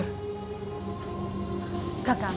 dan menjaga kekuatannya